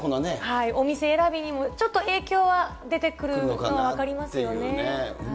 お店選びにもちょっと影響は出てくるのは分かりますよね。